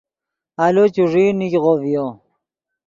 آلو چوݱیئی نیگغو ڤیو